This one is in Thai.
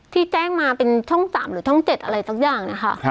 ที่แจ้งมาเป็นช่อง๓หรือช่อง๗อะไรสักอย่างนะคะ